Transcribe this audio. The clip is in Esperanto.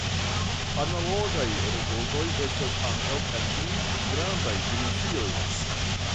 Analogaj rezultoj estas ankaŭ en pli grandaj dimensioj.